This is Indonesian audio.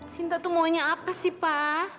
sinta itu maunya apa sih pak